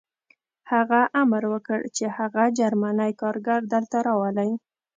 هغه امر وکړ چې هغه جرمنی کارګر دلته راولئ